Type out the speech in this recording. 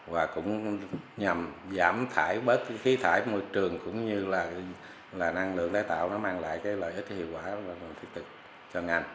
và cũng nhằm giảm khí thải môi trường cũng như là năng lượng đáy tạo mang lại lợi ích hiệu quả cho ngành